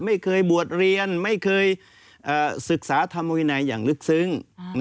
ไม่เคยบวชเรียนไม่เคยศึกษาธรรมวินัยอย่างลึกซึ้ง